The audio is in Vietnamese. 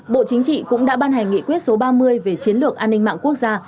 bộ chính trị cũng đã ban hành nghị quyết số ba mươi về chiến lược an ninh mạng quốc gia